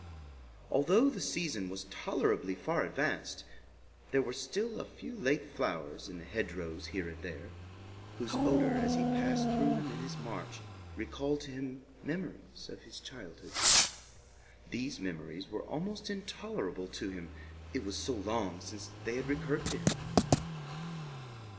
Although the season was tolerably far advanced, there were still a few late flowers in the hedge rows here and there, whose odor as he passed through them in his march recalled to him memories of his childhood. These memories were almost intolerable to him, it was so long since they had recurred to him.